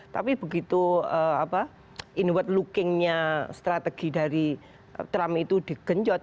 tapi begitu inward lookingnya strategi dari trump itu digenjot